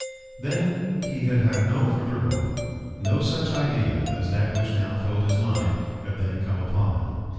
Then he had had no further hope. No such idea as that which now filled his mind had then come upon him.